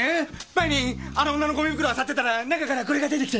前にあの女のゴミ袋漁ってたら中からこれが出てきて。